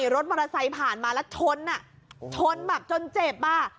รถมอเตอร์ไซค์ผ่านมาแล้วชนอ่ะชนแบบจนเจ็บอ่ะ